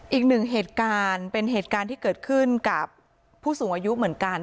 อีกหนึ่งเหตุการณ์เป็นเหตุการณ์ที่เกิดขึ้นกับผู้สูงอายุเหมือนกัน